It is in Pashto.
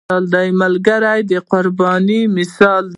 ملګری د قربانۍ مثال دی